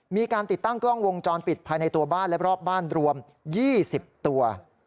มีการติดตั้งกล้องวงจรปิดภายในตัวบ้านและรอบบ้านรวม๒๐ตัว